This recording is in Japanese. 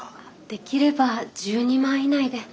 できれば１２万以内で。